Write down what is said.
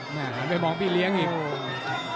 หันไปมองพี่เลี้ยงอีก